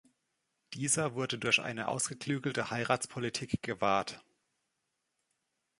Dieser wurde durch eine ausgeklügelte Heiratspolitik gewahrt.